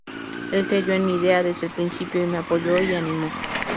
Él creyó en mi idea desde el principio y me apoyó y animó.